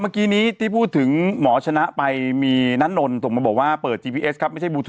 ก็ไม่สี่ห้าร้อยบาทอีก